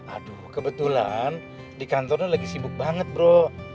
aduh kebetulan di kantor lu lagi sibuk banget bro